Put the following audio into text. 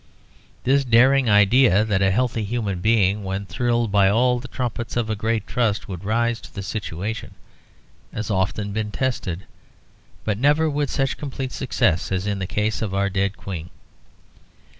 This daring idea that a healthy human being, when thrilled by all the trumpets of a great trust, would rise to the situation, has often been tested, but never with such complete success as in the case of our dead Queen.